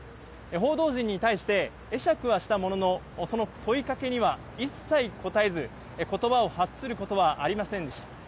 報道陣に対して会釈はしたものの、問いかけには一切答えず、言葉を発することはありませんでした。